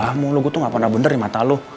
salah terus protes gue gak pernah bener di mata lo